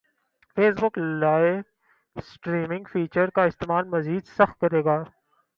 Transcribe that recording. face بک live streaming feature کا استعمال مزید سخت کریگا